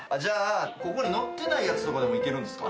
ここに載ってないやつとかでもいけるんすか？